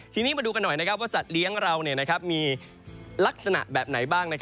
ทีนี้มาดูกันหน่อยว่าสัตว์เลี้ยงเรามีลักษณะแบบไหนบ้าง